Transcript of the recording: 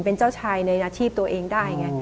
เป็นเจ้าชายในอาชีพตัวเองได้ไง